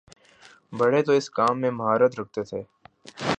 بڑے تو اس کام میں مہارت رکھتے تھے۔